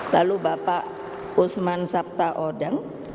lalu bapak usman sabta odeng